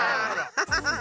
ハハハッ。